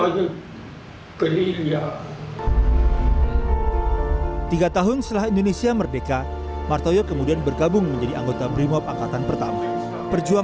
ketika itu kaki kiri martoyo tertembak dan tembus dua puluh lima cm